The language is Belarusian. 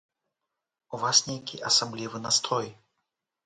У вас нейкі асаблівы настрой.